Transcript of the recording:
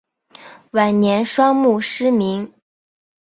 晚年双目失明。